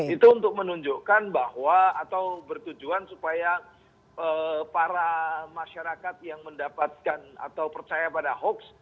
itu untuk menunjukkan bahwa atau bertujuan supaya para masyarakat yang mendapatkan atau percaya pada hoax